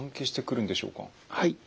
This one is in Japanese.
はい。